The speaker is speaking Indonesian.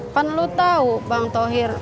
kan lu tau bang thohir